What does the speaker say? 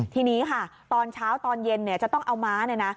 ทีนี้ค่ะตอนเช้าตอนเย็นจะต้องเอาม้าเนี่ยนะ